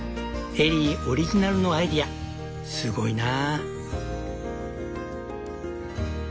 エリーオリジナルのアイデアすごいなぁ。